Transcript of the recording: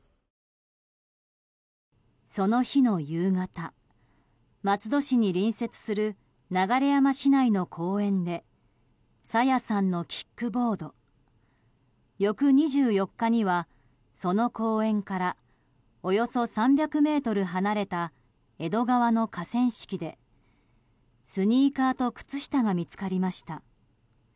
その日の夕方、松戸市に隣接する流山市内の公園で朝芽さんのキックボード翌２４日には、その公園からおよそ３００ｍ離れた江戸川の河川敷でスニーカーと靴下が見つかりました。